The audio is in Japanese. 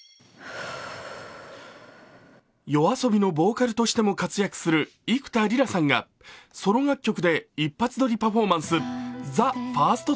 ＹＯＡＳＯＢＩのボーカルとしても活躍する幾田りらさんがソロ楽曲で一発撮りパフォーマンス「ＴＨＥＦＩＲＳＴＴＡＫＥ」に登場。